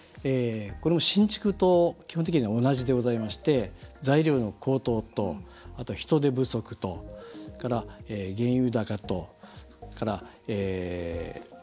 これも新築と基本的には同じでございまして材料の高騰と、あと人手不足とそれから原油高と。